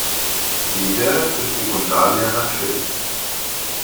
Eder ist Sekundarlehrer phil.